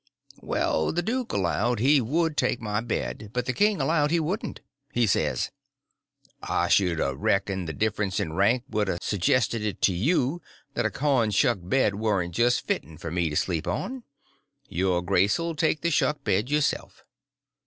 Well, the duke allowed he would take my bed; but the king allowed he wouldn't. He says: "I should a reckoned the difference in rank would a sejested to you that a corn shuck bed warn't just fitten for me to sleep on. Your Grace 'll take the shuck bed yourself."